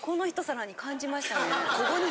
ここに。